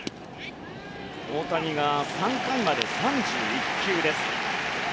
大谷が３回まで３１球です。